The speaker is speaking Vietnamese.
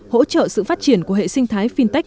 hỗ trợ sự phát triển của hệ sinh thái fintech